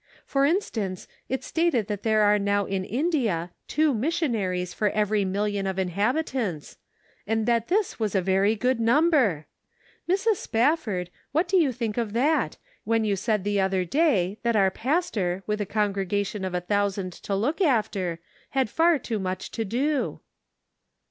For instance, it stated that there were now in India two missionaries for every million of inhabitants, and that this was a very good number ! Mrs. Spafford, what do you think of that, when you said, the other day, that our pastor, with a congregation of a thousand to look after, had far too much to do."